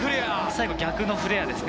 最後、逆のフレアです。